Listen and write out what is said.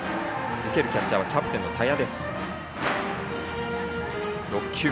受けるキャッチャーはキャプテンの田屋。